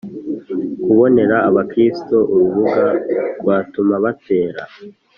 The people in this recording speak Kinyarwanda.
Kubonera abakristo urubuga rwatuma batera